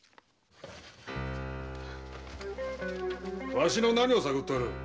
わしの何を探っておる？